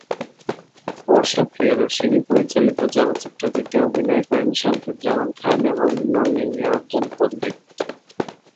বর্ষা প্রিয়দর্শিনী পরিচালিত চলচ্চিত্রটিতে অভিনয় করেন শামসুজ্জামান খান এবং নলিনীরঞ্জন পণ্ডিত।